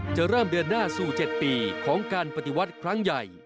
จะเริ่มเดินหน้าสู่๗ปีของการปฏิวัติครั้งใหญ่